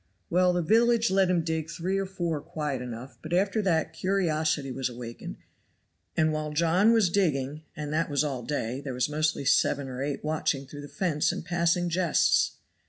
Well, the village let him dig three or four quiet enough; but after that curiosity was awakened, and while John was digging, and that was all day, there was mostly seven or eight watching through the fence and passing jests.